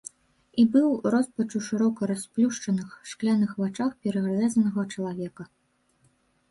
І быў роспач у шырока расплюшчаных, шкляных вачах перарэзанага чалавека.